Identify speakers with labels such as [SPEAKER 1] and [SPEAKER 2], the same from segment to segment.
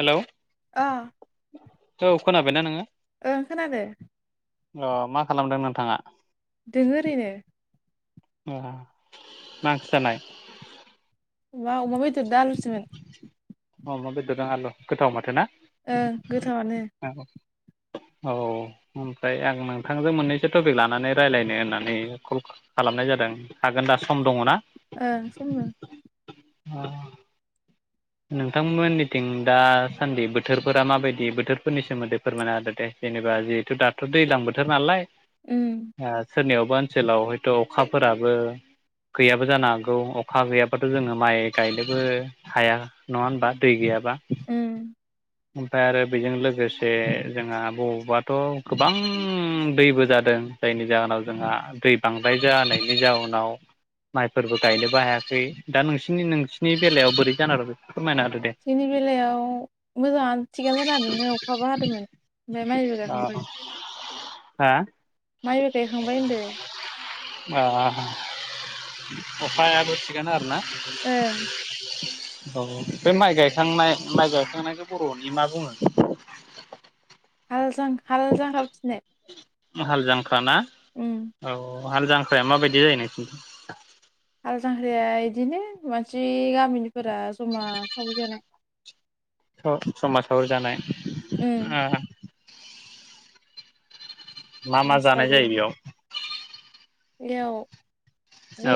[SPEAKER 1] Hello
[SPEAKER 2] अ
[SPEAKER 1] औ खोनाबायना नोङो
[SPEAKER 2] ओं खोनादों
[SPEAKER 1] अ मा खालामदों नोंथाङा
[SPEAKER 2] दोङो ओरैनो
[SPEAKER 1] मा ओंख्रि जानाय
[SPEAKER 2] माबा अमा बेदरजों आलुसोमोन
[SPEAKER 1] अमा बेदर आल गोथाव माथो ना
[SPEAKER 2] ओं गोथावानो
[SPEAKER 1] औ ओमफ्राय आं नोंथांजों मोननैसो टपिक लानानै रायज्लायनो होननानै कल खालामनाय जादों हागोन दा सम दङना?
[SPEAKER 2] ओ सम दं
[SPEAKER 1] अ नोंथांमोननिथिं दासान्दि बोथोरफोरा माबायदि बोथोरफोरनि सोमोन्दै फोरमायना होदो दे जेनेबा जिहेथु दाथ' दैज्लां बोथोर नालाय
[SPEAKER 2] उ
[SPEAKER 1] ओ सोरनियावबा ओनसोलाव हायथ' अखाफोराबो गैयाबो जानो हागौ अखा गैयाब्लााथ' जोङो माइ गायनोबो हाया। नङा होनबा दै गैयाबा
[SPEAKER 2] उम
[SPEAKER 1] ओमफ्राय आरो बेजों लोगोसे जोंहा बबावबाथ' गोबां दैबो जादों। जायनि जाहोनाव जोंहा दै बांद्राय जानायनि जाहोनाव माइफोरबो गायनोबो हायाखै दा नोंसिनि नोंसिनि बेलायाव बोरै जान आरो बेखौ फोरमायना होदो दे
[SPEAKER 2] जोंनि बेलायाव मोजाङानो थिगानो जानादोङो अखाबो हादोंमोन ओमफ्राय माइबो गाखांबाय
[SPEAKER 1] हा
[SPEAKER 2] माइ गायखांबाय होनदों।
[SPEAKER 1] आ अखायाबो थिगानो आरोना
[SPEAKER 2] ओं
[SPEAKER 1] औ बे माइ गायखांनाय माइ गायखांनायखौ बर'नि मा बुङो।
[SPEAKER 2] हाल जां हाल जांख्रा उथिनाय
[SPEAKER 1] हाल जांख्राना औ हाल जांख्राया माबायदि जायो नोंसोरनिथिं
[SPEAKER 2] हाल जांख्राया बिदिनो मानसि गामिनिफोरा जमा सावै जानाय
[SPEAKER 1] उ ज जमा सावरि
[SPEAKER 2] उम
[SPEAKER 1] जानाय मा मा जानाय
[SPEAKER 2] बेलासिखालि
[SPEAKER 1] जायो बेयाव
[SPEAKER 2] बेयाव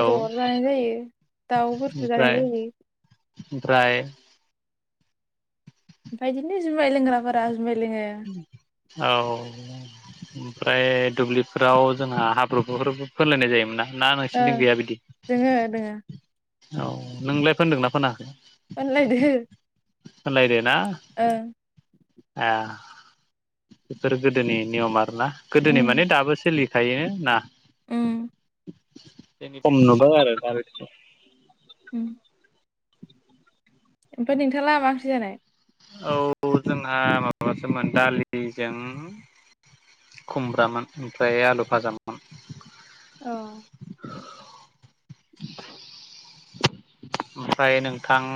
[SPEAKER 1] औ
[SPEAKER 2] जानाय जायो दाउफोरखौ जानाय
[SPEAKER 1] ओमफ्राय
[SPEAKER 2] जायो।
[SPEAKER 1] ओमफ्राय
[SPEAKER 2] ओमफ्राय बिदिनो जुमाय लोंग्राफोरा जुमाय लोङो।
[SPEAKER 1] [unintelligible] औ ओमफ्राय दुब्लिफोराव जोंहा हाब्रुफोर फोलायनाय जायोमोन ना। ना
[SPEAKER 2] ओं
[SPEAKER 1] नोंसिनिथि गैया बिदि
[SPEAKER 2] दोङो दोङो
[SPEAKER 1] औ नोंलाय फोनदोंना फोना
[SPEAKER 2] अनलायदो
[SPEAKER 1] फुनलायदेना
[SPEAKER 2] ओं
[SPEAKER 1] ए बेफोरो गोदोनि नियम आरोना।
[SPEAKER 2] उम
[SPEAKER 1] गोदोनि माने दाबो सोलिखायोनो ना।
[SPEAKER 2] उम
[SPEAKER 1] दिनै खम नुबाय आरो
[SPEAKER 2] उम ओमफ्राय नोंथाङा मा ओंख्रि जानाय?
[SPEAKER 1] औ जोंहा माबासोमोन दालिजों खुमब्रामोन ओमफ्राय आलु फाजामोन
[SPEAKER 2] औ
[SPEAKER 1] [inaudible] ओमफ्राय नोंथां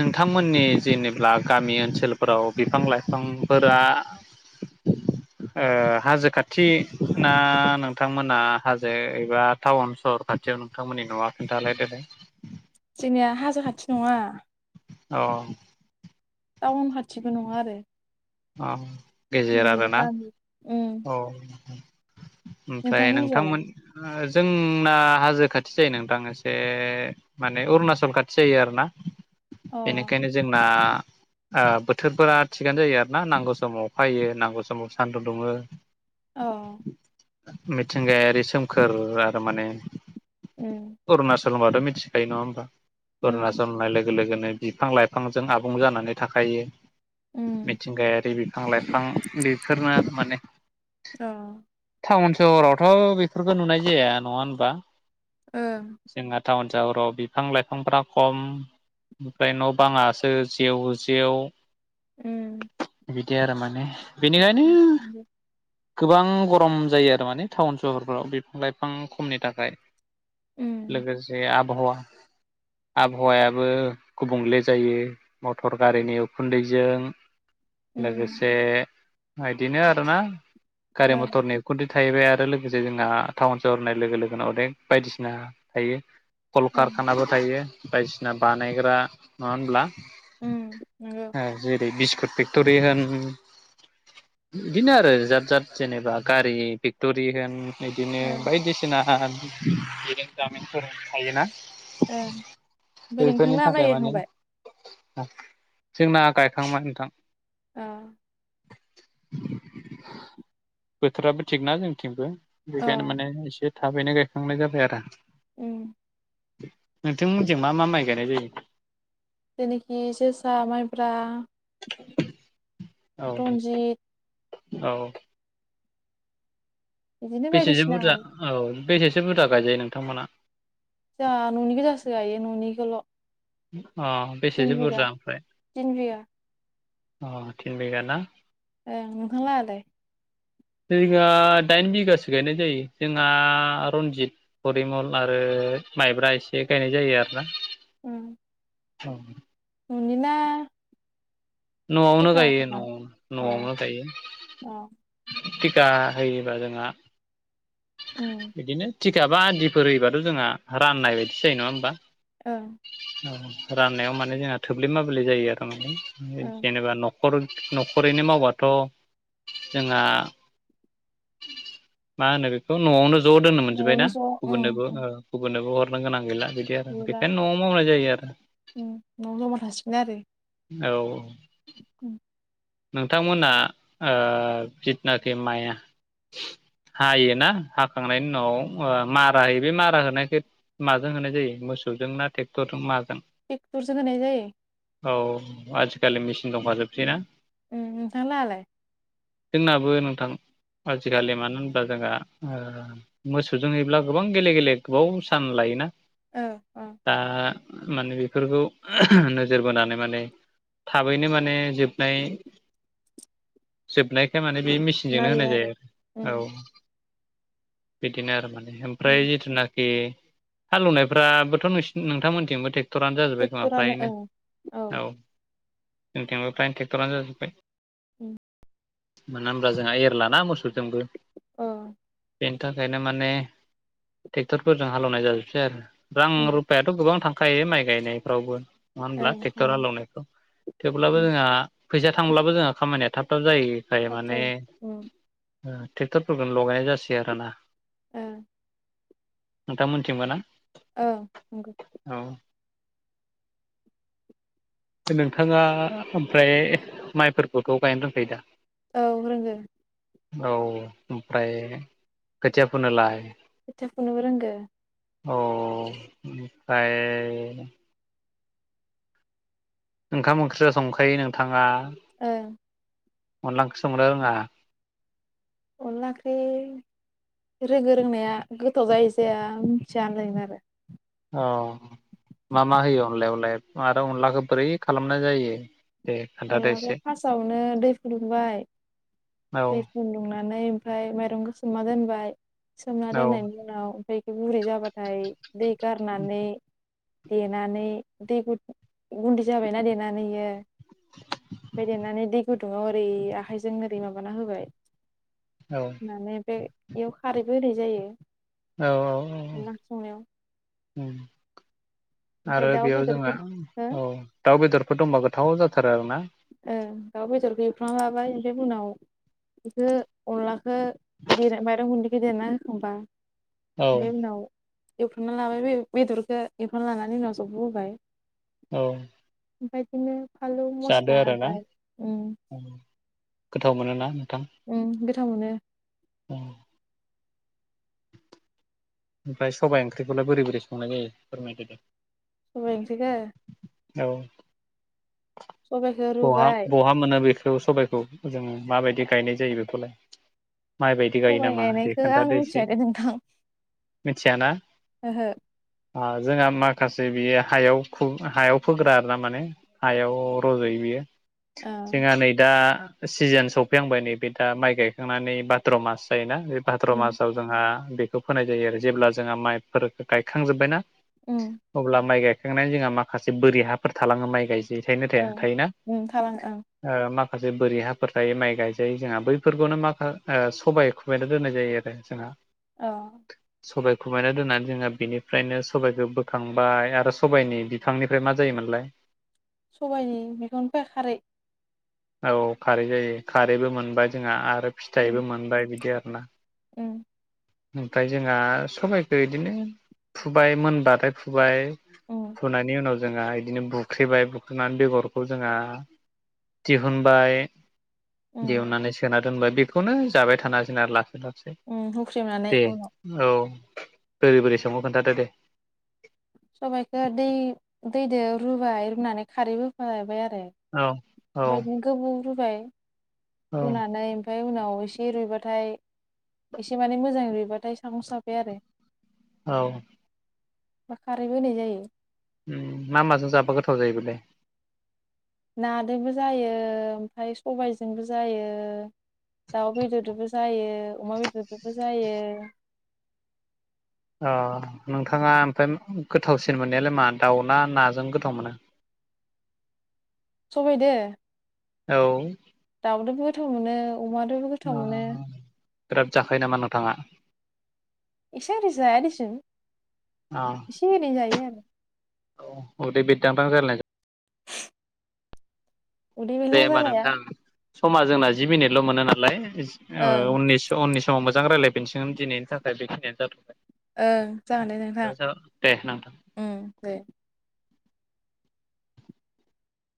[SPEAKER 1] नोंथांमोननि जेनेब्ला गामि ओनसोलफोराव बिफां-लाइफांफोरा [inaudible] ओ हाजो खाथिना नोंथांमोना हाजो एबा टाउन सहर आतसा नोंथांमोननि न'आ खन्थालाय दे बुं?
[SPEAKER 2] जोंनिया हाजो खाथि नङा।
[SPEAKER 1] अ
[SPEAKER 2] टाउन खाथिबो नङा आरो।
[SPEAKER 1] अ गेजेर
[SPEAKER 2] ओरैनो
[SPEAKER 1] आरोना
[SPEAKER 2] गामि उम
[SPEAKER 1] औ। ओमफ्राय
[SPEAKER 2] नोंथांमोननि जालाय?
[SPEAKER 1] नोंथांमोन जोंना हाजो खाथि जायो नोंथां एसे माने अरुणाचल खाथि जायो आरो ना।
[SPEAKER 2] अ
[SPEAKER 1] बेनिखायनो जोंना आ बोथोरफोरा थिगानो जायो आरो। ना नांगौ समाव फैयो नांगौ समाव सान्दुं दुङो।
[SPEAKER 2] अ
[SPEAKER 1] मिथिंगायारि सोमखोर आरो माने
[SPEAKER 2] उम
[SPEAKER 1] अरुणचल होनबाथ' मिथिखायो नङा होमबा
[SPEAKER 2] उम
[SPEAKER 1] अरुनाचल लोगो लोगो लोगोनो बिफां लाइफांजों आबुं जानानै थाखायो।
[SPEAKER 2] उम
[SPEAKER 1] बे बिफां लाइफां बेफोरनो माने
[SPEAKER 2] ओ
[SPEAKER 1] टाउन सहरावथ' बेफोरखौ नुनाय जाया नङा होमबा?
[SPEAKER 2] ओ
[SPEAKER 1] जोंना टाउन सहराव बिफां लाइफांफ्रा खम। ओमफ्राय न' बाङासो जेव जेव।
[SPEAKER 2] उम
[SPEAKER 1] बिदि आरो माने बेनिखायनो
[SPEAKER 2] उम
[SPEAKER 1] गोबां गरम जायो आरो माने टाउन सहरफ्राव बिफां लाइफां खमनि थाखाय। लोगोसे आबहावा आबहावायाबो गुबुंले जायो मटर गारिनि उखुन्दैजों।
[SPEAKER 2] उम
[SPEAKER 1] लोगोसे बिदिनो आरोना गारि
[SPEAKER 2] ओं
[SPEAKER 1] मथरनि खुन्थि थाहैबाय आरो लोगोसे जोंहा टाउन सहर होननाय लोगो लोगोनो अनेक बायदिसिना थायो।
[SPEAKER 2] ओं
[SPEAKER 1] कलकारखानाबो थायो बायदिसिना बानायग्रा नङा होनब्ला?
[SPEAKER 2] उम नोंगौ।
[SPEAKER 1] जेरै बिस्कुट फेक्ट'रि होन बिदिनो आरो जाद जाद जेनेबा गारि फेक्ट'रि होन बिदिनो
[SPEAKER 2] ओं
[SPEAKER 1] बायदिसिना बिरोंदारिमिनफोर थायोना?
[SPEAKER 2] ओं ओमफ्राय
[SPEAKER 1] बेफोरनि
[SPEAKER 2] नोंथांलाहा माइ
[SPEAKER 1] थाखाय माने
[SPEAKER 2] गायखांबाय?
[SPEAKER 1] जोंना गायखांबाय नोंथां।
[SPEAKER 2] अ
[SPEAKER 1] बोथोराबो थिग ना जोंथिंबो। बिखायनो
[SPEAKER 2] अ
[SPEAKER 1] माने एसे थाबैनो गायखांनाय जाबाय आरो।
[SPEAKER 2] ओम
[SPEAKER 1] नोंथांमोनथें मा मा माइ गायनाय जायो।
[SPEAKER 2] जेखि जोसा माइब्रा
[SPEAKER 1] औ
[SPEAKER 2] रन्जित।
[SPEAKER 1] औ
[SPEAKER 2] बिदिनो
[SPEAKER 1] बेसेसो
[SPEAKER 2] बायदिसिना
[SPEAKER 1] बुरजा
[SPEAKER 2] गायो
[SPEAKER 1] औ बेसेसो बुरजा गायजायो नोंथांमोना
[SPEAKER 2] जों न'नि गो जासो गायो न'निखौल'
[SPEAKER 1] अ
[SPEAKER 2] तिन
[SPEAKER 1] बेसेसो
[SPEAKER 2] बिगा
[SPEAKER 1] बुरजा ओमफ्राय
[SPEAKER 2] तिन बिगा
[SPEAKER 1] अ थिन बिघा ना?
[SPEAKER 2] ओं नोंथां लाहालाय।
[SPEAKER 1] जोंहा दाइन बिगासो गायनाय जायो जोंहा रन्जित फरिमल आरो माइब्रा एसे गायनाय जायो आरोना।
[SPEAKER 2] उम
[SPEAKER 1] औ
[SPEAKER 2] न'निना
[SPEAKER 1] न'आवनो गायो न'आवनो
[SPEAKER 2] औ
[SPEAKER 1] न'आवनो गायो।
[SPEAKER 2] औ
[SPEAKER 1] टिका होयोबा जोंहा
[SPEAKER 2] उम
[SPEAKER 1] बिदिनो। थिखाबा आदिफोर होयोबाथ' जोंहा राननाय बायदि जायो नङा होमबा?
[SPEAKER 2] ओं
[SPEAKER 1] औ राननायाव माने जोंना थोब्ले माब्ले जायो आरो ओं जेनेबा न'खर न'खरैनो मावबाथ' जोंहा मा होनो बेखौ न'आवनो ज' दोननो मोनजोबबायना
[SPEAKER 2] न'आवनो ज' उम
[SPEAKER 1] गुबुननोबो
[SPEAKER 2] उम
[SPEAKER 1] गुबुननोबो हरनो गोनां गैला बिदि आरो
[SPEAKER 2] गैला
[SPEAKER 1] बेखायनो न'आव मावनाय जायो आरो
[SPEAKER 2] न'आव जमा थासिगोन आरो
[SPEAKER 1] औ
[SPEAKER 2] उम।
[SPEAKER 1] नोंथांमोना जिथुनाखि माया हायोना हाखांनायनि उनाव मारा होयो बे मारा होनायखौ माजों होनाय जायो मोसौजों ना ट्रेक्टरजों माजों
[SPEAKER 2] टेकटरजों होनाय जायो
[SPEAKER 1] औ आजिखालि मेचिन दंखाजोबसै ना
[SPEAKER 2] उ नोंथांलाहालाय
[SPEAKER 1] जोंनाबो नोंथां आजिखालि मानो होनबा जोंहा मोसौजोंहब्ला गोबां गेले गेले गोबाव सान लायोना
[SPEAKER 2] ओं
[SPEAKER 1] दा माने बेफोरखौ नोजोर बोनानै माने थाबैनो माने जोबनाय जोबनायखाय माने बे मेसिनजोंनो
[SPEAKER 2] नायो
[SPEAKER 1] होनाय जायो
[SPEAKER 2] आरो उम
[SPEAKER 1] आरो औ बिदिनो आरो माने
[SPEAKER 2] उम
[SPEAKER 1] ओमफ्राय जिथुनाखि हालेवनायफ्राबोथ' न नोंथांमोनथिंबो थे क्टरानो जाजोबबाय खोमा
[SPEAKER 2] ट्रेक्टरानो
[SPEAKER 1] फ्रायनो
[SPEAKER 2] ओं
[SPEAKER 1] औ जोंथेंबो फ्राइन ट्रेक्टरानो जाजोब्बाय
[SPEAKER 2] उ
[SPEAKER 1] मोना हब्ला जोंहा एरलाना मोसुरजोंबो
[SPEAKER 2] अ
[SPEAKER 1] बेनि थाखायनो माने ट्रेक्टरफोरजों हालेवनाय जाजोबसै आरो रां
[SPEAKER 2] उम
[SPEAKER 1] रुफायाथ' गोबां थांखायो माइ गायनायफ्रावबो नोआ होनब्ला
[SPEAKER 2] ओं
[SPEAKER 1] ट्रेक्टर
[SPEAKER 2] थाङो
[SPEAKER 1] हालौवनायफ्राव थेवब्लाबो
[SPEAKER 2] उम
[SPEAKER 1] जोंहा फैसा थांब्लाबो जोंहा खामानिया थाब थाब जाहैखाय
[SPEAKER 2] थाब
[SPEAKER 1] माने
[SPEAKER 2] जायो उम
[SPEAKER 1] ट्रेक्टरफोरखौनो लगायनाय जासोय आरो ना
[SPEAKER 2] ओं
[SPEAKER 1] नोंथां मोनथिंबो ना?
[SPEAKER 2] औ नंगौ
[SPEAKER 1] औ नोंथाङा ओमफ्राय माइफोरखौथ' गायनो रोंखायो दा?
[SPEAKER 2] औ रोंगो।
[SPEAKER 1] औ ओमफ्राय खोथिया फुनोलाय?
[SPEAKER 2] खोथिया फुनोबो रोंगो।
[SPEAKER 1] अ ओमफ्राय ओंखाम ओंख्रिया संखायो नोंथाङा
[SPEAKER 2] ओं
[SPEAKER 1] अनला ओंखिरि' संनो रोङा
[SPEAKER 2] अनला ओंख्रि रोंडो रोंनाया गोथाव जायो जाया मिथिया आ होनलायमोन आरो
[SPEAKER 1] औ मा मा होयो अनलायावलाय आरो अनलाखौ बोरै खालामनाय जायो दे खोन्थादो
[SPEAKER 2] अनलाखौ
[SPEAKER 1] एसे
[SPEAKER 2] फार्स्टआवनो दै फुदुंबाय
[SPEAKER 1] औ
[SPEAKER 2] दै फुन्दुंनानै ओमफ्राय माइरंखौ सोमना दोनबाय सोमना
[SPEAKER 1] औ
[SPEAKER 2] दोननायनि उनाव ओमफ्राय गुरै जाबाथाय दै गारनानै देनानै दै गु [inaudible] गुन्दै जाबायना देनानै इयो। ओमफ्राय देरनानै दै गुदुङाव ओरै आखाइजों ओरै माबाना होबाय।
[SPEAKER 1] औ
[SPEAKER 2] माने बे बेयाव खारैबो होनाय जायो।
[SPEAKER 1] औ औ औ
[SPEAKER 2] अनला ओंख्रि संनायाव
[SPEAKER 1] उम
[SPEAKER 2] ओमफ्राय
[SPEAKER 1] आरो
[SPEAKER 2] दाउ
[SPEAKER 1] बेयाव जोंहा
[SPEAKER 2] बेदरफोर हो
[SPEAKER 1] औ दाउ बेदरफोर दंबा गोथाव जाथारो आरोना।
[SPEAKER 2] ओ दाउ बेदरखौ एउफ्रना लाबाय ओमफ्राय उनाव बेखो अनलाखो दे माइरं गुन्दैखौ देना एखबा
[SPEAKER 1] औ
[SPEAKER 2] ओमफ्राय उनाव एवफ्रांना लाबाय बे बेदरखौ एवफ्रांना लानानै उनाव जब' होबाय।
[SPEAKER 1] औ
[SPEAKER 2] ओमफाय बिदिनो फालौ
[SPEAKER 1] जादो आरो ना, गोथाव मोनोना नोंथां?
[SPEAKER 2] उम गोथाव मोनो।
[SPEAKER 1] उम ओमफ्राय सबाइ ओंख्रिखौलाय बोरै बोरै संनाय जायो फोरमायदो दे।
[SPEAKER 2] सबाइ ओंख्रिखो
[SPEAKER 1] औ
[SPEAKER 2] सबाइखौ
[SPEAKER 1] बहा
[SPEAKER 2] रुबाय
[SPEAKER 1] बहा मोनो बेखौ सबाइखौ? जों माबायदि गायनाय जायो बेखौलाय? माइ बायदि गायो
[SPEAKER 2] सबाइ
[SPEAKER 1] नामा दे
[SPEAKER 2] गायनायखौ आं
[SPEAKER 1] खोन्थादो
[SPEAKER 2] मिथिया
[SPEAKER 1] एसे।
[SPEAKER 2] दे नोंथां
[SPEAKER 1] मिथिया ना?
[SPEAKER 2] ओहो
[SPEAKER 1] जोंहा माखासे बियो हायाव हायाव फोग्रा आरो ना माने। हायाव रज'यो बियो।
[SPEAKER 2] औ
[SPEAKER 1] जोंहा नै दा सिजोन सौफैखांबाय नैबे दा माइ गायखांनानै भाद्र मास जायोना बे भाद्र
[SPEAKER 2] उम
[SPEAKER 1] मासाव जोंहा बेखौ फोनाय जायो आरो जेब्ला जोंहा माइफोर गायखांजोब्बायना
[SPEAKER 2] उम
[SPEAKER 1] अब्ला माइ गायखांनानै जोंहा माखासे बोरि हाफोर थालाङो माइ गायजायि थायनो थाया
[SPEAKER 2] ओं
[SPEAKER 1] थायोना?
[SPEAKER 2] उम थालाङो ओं
[SPEAKER 1] ओ माखासे बोरि हाफोर थायो माइ गायजायो जोंहा बैफोरखौनो माखा- ओ सबाइखौ दोननाय जायो आरो जोंहा
[SPEAKER 2] औ
[SPEAKER 1] सबायाइ खुमायना दोननानै जोङो बिनिफ्रायनो सबबायखौ बोखांबाय आरो सबाइनि बिफांनिफ्राय मा जायोमोनलाय?
[SPEAKER 2] सबायाइनि बिफांनिफ्राय खारै
[SPEAKER 1] औ खारै जायो खारैबो मोनबाय जोंहा आरो
[SPEAKER 2] उम
[SPEAKER 1] फिथायाइबो मोनबाय बिदि आरोना।
[SPEAKER 2] उम
[SPEAKER 1] ओमफ्राय जोंहा सबाइखो बिदिनो फुबाय मोनबाथाय फुबाय।
[SPEAKER 2] उम
[SPEAKER 1] फुनायनि उनाव जोंहा बिदिनो बुख्रेबाय बुख्रेनानै बेगर खौ जोंहा दिहुनबाय
[SPEAKER 2] उम
[SPEAKER 1] दिहुननानै सोना दोनबाय बेखौनो जाबाय थानासै आरो लासै लासै
[SPEAKER 2] उम हुख्रेमनानै
[SPEAKER 1] दे
[SPEAKER 2] उनाव
[SPEAKER 1] औ बोरै बोरै सोंङो खोन्थादो दे
[SPEAKER 2] सबायाइखौ दै दैदो रुबाय रुनानै खारैबो होफाबाय आरो
[SPEAKER 1] औ औ
[SPEAKER 2] बेबायदिनो गोबौ रुबाय
[SPEAKER 1] औ
[SPEAKER 2] रुनानै ओमफ्राय उनाव एसे रुइबाथाय एसे माने मोजाङै रुइबाथाय [unintelligible] आरो।
[SPEAKER 1] औ
[SPEAKER 2] बा खारै होनाय जायो।
[SPEAKER 1] मा माजों जाबा गोथाव जायो बेलाय?
[SPEAKER 2] नादोबो जायो ओमफ्राय सबायजोंबो जायो। दाउ बेदरदोबो जायो अमा बेदरदोबो जायो।
[SPEAKER 1] अ नोंथाङा ओमफ्राय गोथावसिन मोननायालाय मा दाउ ना नाजों गोथाव मोनो
[SPEAKER 2] सबाय दो
[SPEAKER 1] औ
[SPEAKER 2] दाउदोबो गोथाव मोनो अमादोबो गोथाव मोनो
[SPEAKER 1] बि्राद जाखायो नामा नोंथाङा
[SPEAKER 2] इसोरारिसहसुन
[SPEAKER 1] औ
[SPEAKER 2] एसे ओरै जायो आरो।
[SPEAKER 1] औ अ दे बेदामां जार
[SPEAKER 2] उदै
[SPEAKER 1] दे
[SPEAKER 2] बेरला
[SPEAKER 1] होमबा
[SPEAKER 2] जालाया
[SPEAKER 1] नोंथां समा जोंना जि मिनिटल' मोनो नालाय
[SPEAKER 2] ओं
[SPEAKER 1] उननिस ' उननि समाव मोजां रायज्लायफनगोन दिनैनि थाखाय बेखियानो जाथ'बाय
[SPEAKER 2] ओं जागोन दे नोंथाङ
[SPEAKER 1] दे नोंथां
[SPEAKER 2] उम दे।